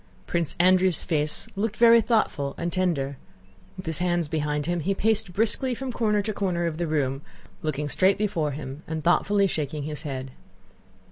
Prince Andrew's face looked very thoughtful and tender. With his hands behind him he paced briskly from corner to corner of the room, looking straight before him and thoughtfully shaking his head.